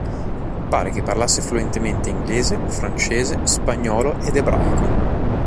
Pare che parlasse fluentemente inglese, francese, spagnolo ed ebraico.